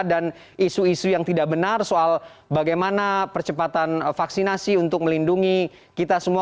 dan isu isu yang tidak benar soal bagaimana percepatan vaksinasi untuk melindungi kita semua